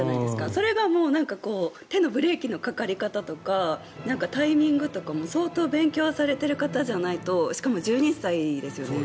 それが手のブレーキのかかり方とかタイミングとかも相当勉強されている方じゃないとしかも１２歳ですよね。